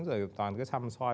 rồi toàn cứ xăm xoay